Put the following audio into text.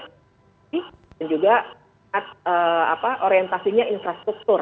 dan juga orientasinya infrastruktur